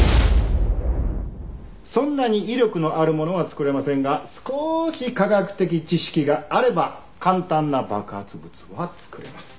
そんなに威力のあるものは作れませんが少し科学的知識があれば簡単な爆発物は作れます。